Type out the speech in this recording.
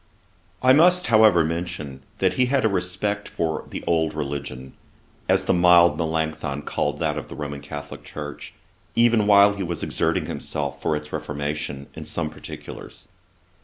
I must however mention, that he had a respect for 'the old religion,' as the mild Melancthon called that of the Roman Catholick Church, even while he was exerting himself for its reformation in some particulars.